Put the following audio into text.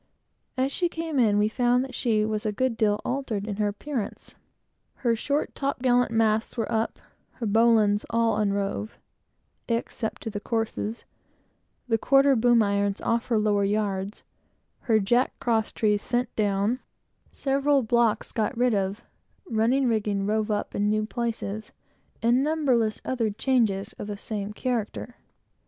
As she came in, we found that she was a good deal altered in her appearance. Her short top gallant masts were up; her bowlines all unrove (except to the courses); the quarter boom irons off her lower yards; her jack cross trees sent down; several blocks got rid of; running rigging rove in new places; and numberless other changes of the same character.